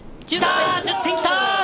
１０点来た！